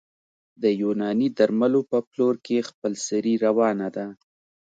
د یوناني درملو په پلور کې خپلسري روانه ده